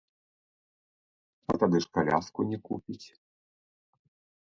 А тады ж каляску не купіць!